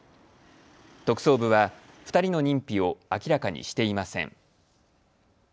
特捜部は２人の認否を明らかにしていません。